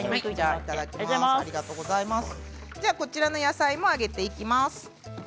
こちらの野菜も揚げていきます。